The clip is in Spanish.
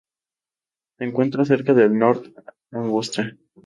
Se encuentra cerca de North Augusta.